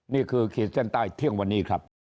นี่คือเขตเส้นใต้เที่ยงวันนี้ครับ